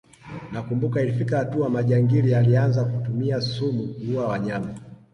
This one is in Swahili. Nakumbuka ilifikia hatua majangili yalianza kutumia sumu kuua wanyama